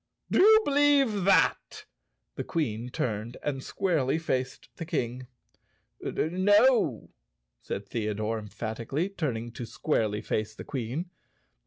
"Do you believe that?" The Queen turned and squarely faced the King. "No!" said Theodore emphatically, turning to squarely face the Queen.